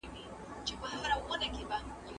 تاسو خپله دنده په پوره امانتدارۍ سره ترسره کړئ.